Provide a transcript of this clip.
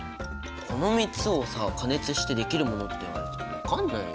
この３つをさ加熱してできるものって言われても分かんないよ。